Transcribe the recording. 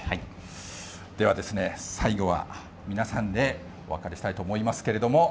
では最後は、皆さんでお別れしたいと思います。